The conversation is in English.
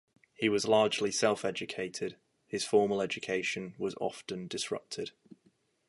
He was largely self-educated: his formal education was often disrupted.